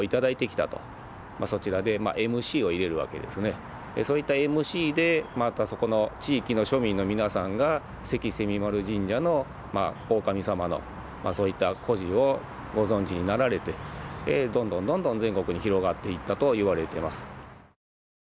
そちらでそういったＭＣでまたそこの地域の庶民の皆さんが関蝉丸神社の大神さまのそういった故事をご存じになられてどんどんどんどん全国に広がっていったと言われてます。